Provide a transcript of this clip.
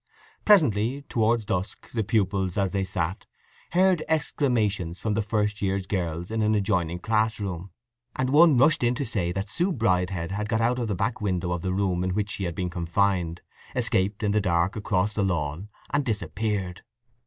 Presently, towards dusk, the pupils, as they sat, heard exclamations from the first year's girls in an adjoining classroom, and one rushed in to say that Sue Bridehead had got out of the back window of the room in which she had been confined, escaped in the dark across the lawn, and disappeared.